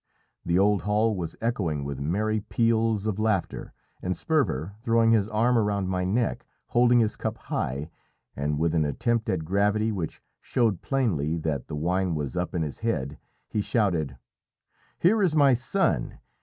The old hall was echoing with merry peals of laughter, and Sperver, throwing his arm round my neck, holding his cup high, and with an attempt at gravity which showed plainly that the wine was up in his head, he shouted "Here is my son!